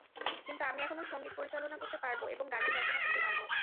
কিন্তু আমি এখনো সংগীত পরিচালনা করতে পারবো, এবং গানের রচনা করতে পারবো।